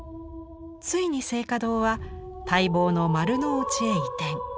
ついに静嘉堂は待望の丸の内へ移転。